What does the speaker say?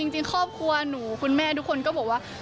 จริงครอบครัวหนูคุณแม่ทุกคนก็บอกว่า